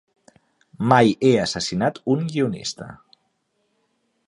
Mai he assassinat un guionista.